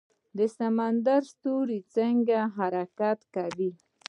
سمندري ستوری څنګه حرکت کوي؟